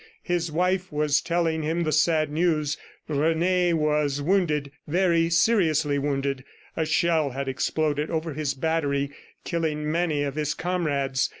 His wife was telling him the sad news. Rene was wounded, very seriously wounded. A shell had exploded over his battery, killing many of his comrades.